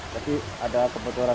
jadi ada kebocoran